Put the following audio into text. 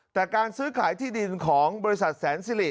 แต่การซื้อขายที่ดินของบริษัทแสนสิริ